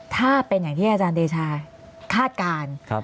ถ้าเป็นอย่างที่อาจารย์เดชาคาดการณ์